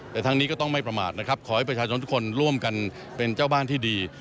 แต่ทั้งนี้ก็ต้องไม่ประมาทนะครับขอให้ประชาชนทุกคนร่วมกันเป็นเจ้าบ้านที่ดี